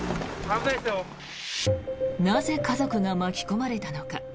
なぜ家族が巻き込まれたのか。